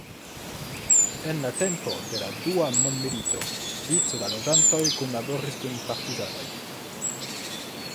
En la tempo de la dua mondmilito vico da loĝantoj kunlaboris kun partizanoj.